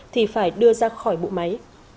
thì phải đưa ra khỏi bụi máy